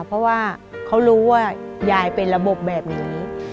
เพราะว่าเขารู้ว่ายายเป็นระบบแบบนี้